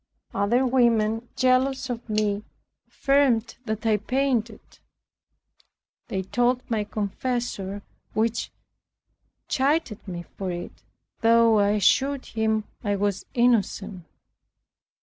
Other women, jealous of me, affirmed that I painted; they told my confessor, who chided me for it, though I assured him I was innocent.